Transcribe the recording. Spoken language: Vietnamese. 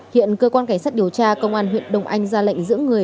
hiện cơ quan cảnh sát điều tra công an huyện đông anh ra lệnh giữ người